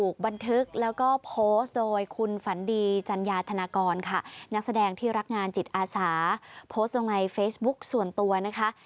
สวัสดีครับคุณฝันดีจัญญาธนากรค่ะนักแสดงที่รักงานจิตอาสาโพสต์ตรงในเฟซบุ๊คส่วนตัวนะคะ